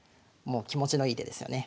気持ちのいい手ですよね。